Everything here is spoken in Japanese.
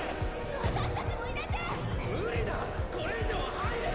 私たちも入れて！